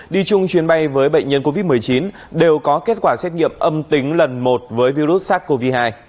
đi chung chuyến bay với bệnh nhân covid một mươi chín đều có kết quả xét nghiệm âm tính lần một với virus sars cov hai